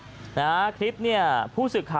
โอ้โหออกมาจากการไปซื้อของเห็นอย่างนี้ก็ตกใจสิครับ